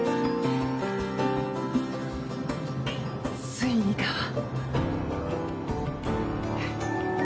ついにだわ。